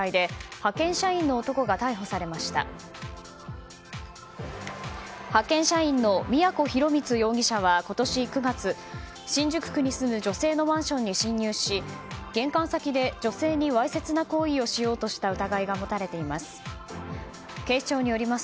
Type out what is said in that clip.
派遣社員の都広光容疑者は今年９月新宿区に住む女性のマンションに侵入し玄関先で女性にわいせつな行為をしようとした疑いが持たれています。